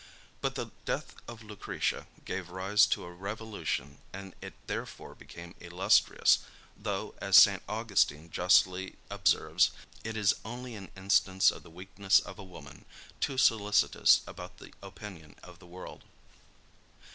But the death of Lucretia gave rise to a revolution, and it therefore became illustrious; though, as St. Augustine justly observes, it is only an instance of the weakness of a woman, too solicitous about the opinion of the world.